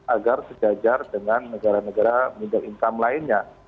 agar sejajar dengan negara negara middle income lainnya